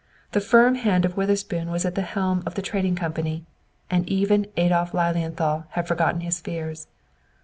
The firm hand of Witherspoon was at the helm of the Trading Company, and even Adolph Lilienthal had forgotten his fears.